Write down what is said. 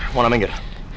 mau nama inggir